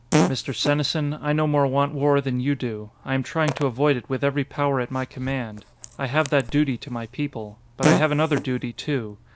"Mr. Senesin, I no more want war than you do. I am trying to avoid it with every power at my command. I have that duty to my people. But I have another duty, too.